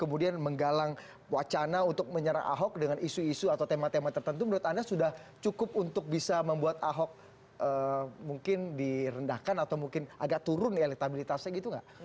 kemudian menggalang wacana untuk menyerang ahok dengan isu isu atau tema tema tertentu menurut anda sudah cukup untuk bisa membuat ahok mungkin direndahkan atau mungkin agak turun elektabilitasnya gitu nggak